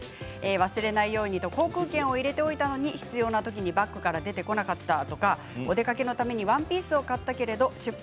忘れないように航空券を入れておいたのに必要な時にバッグから出てこなかったとかお出かけのためにワンピースを買ったけど出発